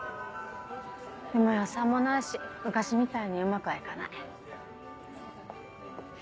でも予算もないし昔みたいにうまくは行かない。